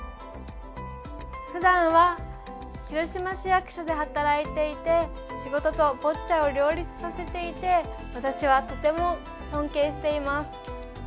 ふだんは広島市役所で働いていて仕事とボッチャを両立させていて私はとても尊敬しています。